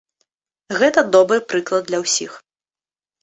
Гэта добры прыклад для ўсіх.